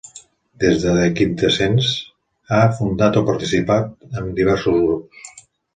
Des de The Quintessence, ha fundat o ha participat en diversos grups.